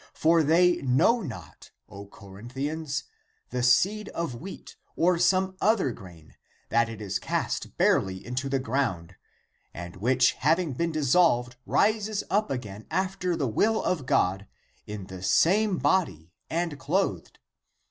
26. For they know not, O Corinthians, the seed of wheat or some other grain 29 that it is cast barely into the ground, and which having been dissolved rises up again after the will of God in the same body and clothed.